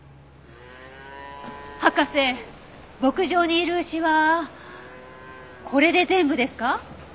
博士牧場にいる牛はこれで全部ですか？